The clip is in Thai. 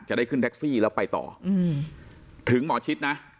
จะได้ขึ้นแท็กซี่แล้วไปต่อถึงหมอชิดนะ